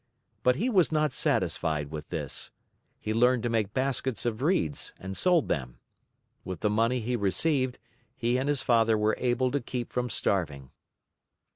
But he was not satisfied with this. He learned to make baskets of reeds and sold them. With the money he received, he and his father were able to keep from starving.